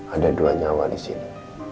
ada dua nyawa disini